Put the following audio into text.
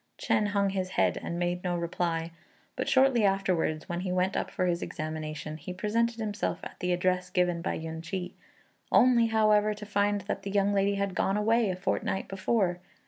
Chên hung his head and made no reply; but shortly afterwards when he went up for his examination, he presented himself at the address given by Yün ch'i only, however, to find that the young lady had gone away a fortnight before.